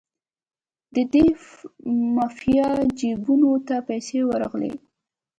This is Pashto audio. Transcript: د دې مافیا جیبونو ته پیسې ورغلې.